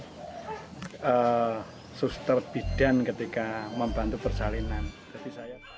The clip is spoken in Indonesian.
jadi saya juga terbidang ketika membantu persalinan